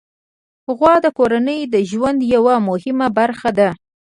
غوا د کورنۍ د ژوند یوه مهمه برخه ده.